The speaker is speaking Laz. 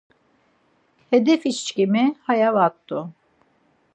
Hedefiçkimi aya va rt̆u.